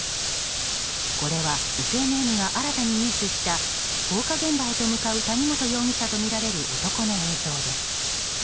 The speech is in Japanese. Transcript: これはＦＮＮが新たに入手した放火現場へと向かう谷本容疑者とみられる男の映像です。